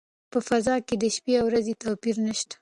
په فضا کې د شپې او ورځې توپیر نشته.